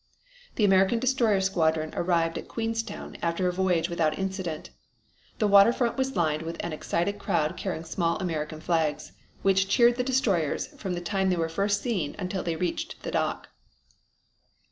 The American destroyer squadron arrived at Queenstown after a voyage without incident. The water front was lined with an excited crowd carrying small American flags, which cheered the destroyers from the time they were first seen until they reached the dock.